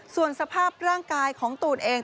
ส่วนสภาพร่างกายของตูนเอง